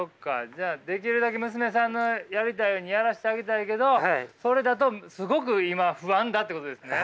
じゃあできるだけ娘さんのやりたいようにやらしてあげたいけどそれだとすごく今不安だってことですね？